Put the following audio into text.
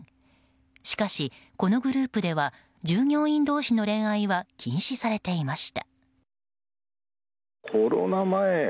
しかし、このグループでは従業員同士の恋愛は禁止されていました。